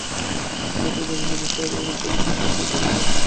নাটকটিতে কবি ফেরদৌস শাহরিয়ারের স্ত্রী রুপা চরিত্রে অভিনয় করেছেন সানজিদা প্রীতি।